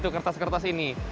tuh kertas kertas ini